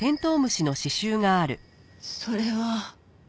それは。